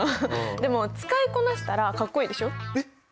でも使いこなしたらかっこいいでしょ？